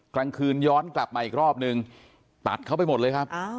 กลางคืนย้อนกลับมาอีกรอบนึงตัดเขาไปหมดเลยครับ